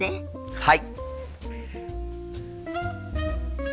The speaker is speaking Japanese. はい。